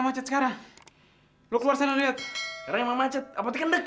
mas bisa sendiri kan